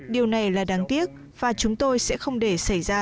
điều này là đáng tiếc và chúng tôi sẽ không để xảy ra